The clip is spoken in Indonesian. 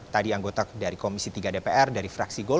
tadi anggota dari komisi tiga dpr dari fraksi golkar